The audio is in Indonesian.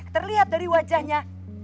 terlihat dari wajahnya